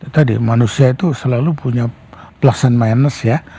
tadi manusia itu selalu punya plus and minus ya